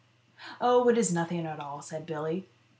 " Oh, it is nothing at all," said Billy.